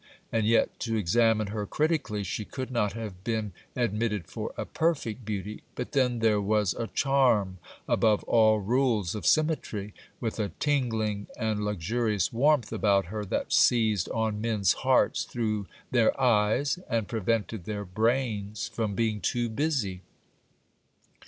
And yet, to examine her critically, she could not have been ad mitted for a perfect beauty ; but then there was a charm above all rules of symmetry, with a tingling and luxurious warmth about her, that seized on men's hearts through their eyes, and prevented their brains from being too busy.